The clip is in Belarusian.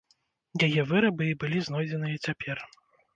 Яе вырабы і былі знойдзеныя цяпер.